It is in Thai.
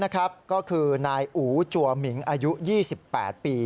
ก็คือนายอู๋จัวหมิงอายุ๒๘ปี